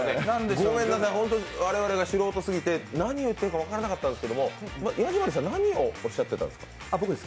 ごめんなさい、本当に我々が素人すぎて、何を言っているか分からなかったんですけど、ヤジマリーさん、何をおっしゃってたんですか？